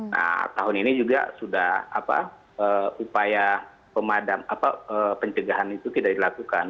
nah tahun ini juga sudah upaya pencegahan itu tidak dilakukan